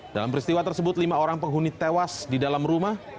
dalam peristiwa tersebut lima orang penghuni tewas di dalam rumah